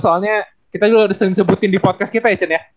soalnya kita juga udah sering sebutin di podcast kita ican ya